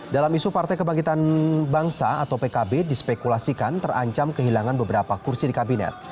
dalam isu partai kebangkitan bangsa atau pkb dispekulasikan terancam kehilangan beberapa kursi di kabinet